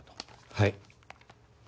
はい。